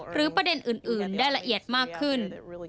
ประเด็นอื่นได้ละเอียดมากขึ้น